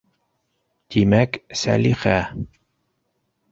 Тимәк, Сәлихә.